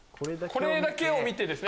これだけを見てです。